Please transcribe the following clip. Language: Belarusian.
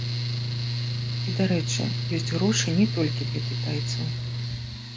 І, дарэчы, ёсць грошы не толькі для кітайцаў.